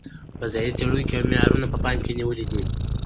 فضايي څېړونکو اوه معیارونه په پام کې نیولي.